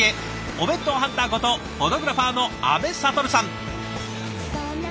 お弁当ハンターことフォトグラファーの阿部了さん。